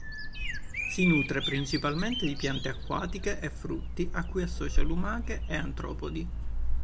Si nutre principalmente di piante acquatiche e frutti a cui associa lumache e artropodi.